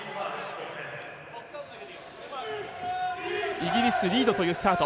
イギリスリードというスタート。